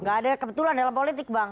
gak ada kebetulan dalam politik bang